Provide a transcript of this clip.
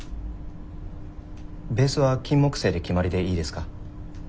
ベースはキンモクセイで決まりでいいですか？